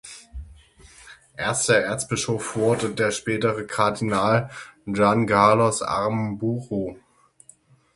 Erster Erzbischof wurde der spätere Kardinal Juan Carlos Aramburu.